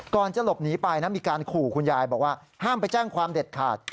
ก่อนจะหลบหนีไปนะมีการขู่คุณยายบอกว่าห้ามไปแจ้งความเด็ดขาด